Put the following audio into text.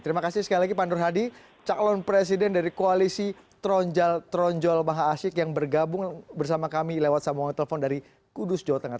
terima kasih sekali lagi pak nur hadi calon presiden dari koalisi tronjol tronjol maha asyik yang bergabung bersama kami lewat sambungan telepon dari kudus jawa tengah